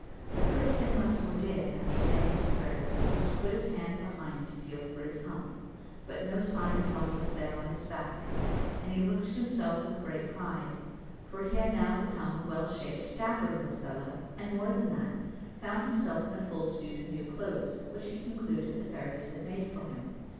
The first thing Lusmore did, after saying his prayers, was to put his hand behind to feel for his hump, but no sign of one was there on his back, and he looked at himself with great pride, for he had now become a well shaped dapper little fellow, and more than that, found himself in a full suit of new clothes, which he concluded the fairies had made for him.